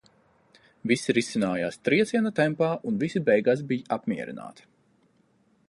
Viss risinājās trieciena tempā un visi beigās bij apmierināti.